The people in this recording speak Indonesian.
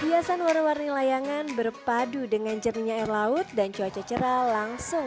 hiasan warna warni layangan berpadu dengan jernihnya air laut dan cuaca cerah langsung